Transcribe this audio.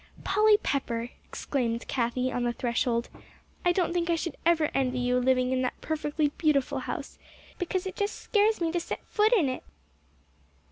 "Polly Pepper!" exclaimed Cathie on the threshold, "I don't think I should ever envy you living in that perfectly beautiful house, because it just scares me to set foot in it."